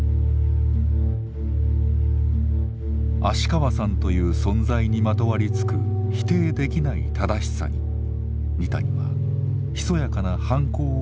芦川さんという存在にまとわりつく否定できない正しさに二谷はひそやかな反抗を企てる。